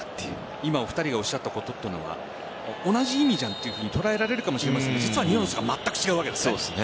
今お二人がおっしゃったことというのは同じ意味だと捉えられるかもしれませんが実はニュアンスが違うわけですね。